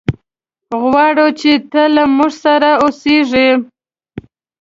غواړو چې ته له موږ سره اوسېږي.